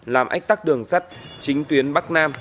làm ách tắc đường sắt chính tuyến bắc nam